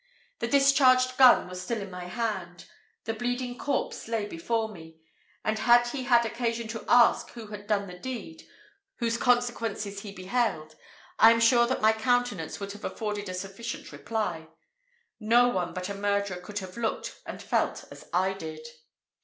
The discharged gun was still in my hand; the bleeding corpse lay before me; and had he had occasion to ask who had done the deed, whose consequences he beheld, I am sure that my countenance would have afforded a sufficient reply. No one but a murderer could have looked and felt as I did.